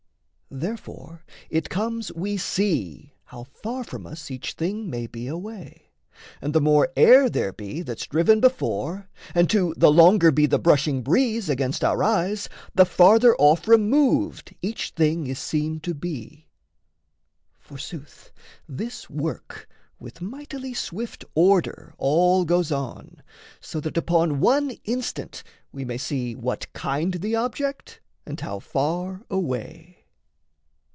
Therefore it comes we see How far from us each thing may be away, And the more air there be that's driven before, And too the longer be the brushing breeze Against our eyes, the farther off removed Each thing is seen to be: forsooth, this work With mightily swift order all goes on, So that upon one instant we may see What kind the object and how far away.